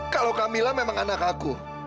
kalau camilla memang anak aku